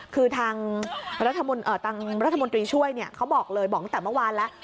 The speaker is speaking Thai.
คือทางรัฐมนตรีช่วยเขาบอกเลยบอกตั้งแต่เมื่อวานแล้ว